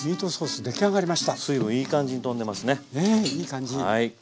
ねいい感じ。